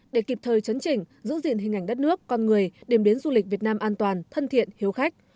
để kịp thời chấn chỉnh giữ diện hình ảnh đất nước con người điểm đến du lịch việt nam an toàn thân thiện hiếu khách